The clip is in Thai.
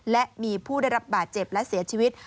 และมีผู้ได้รับบาดเจ็บและเสียชีวิต